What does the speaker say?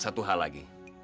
satu hal lagi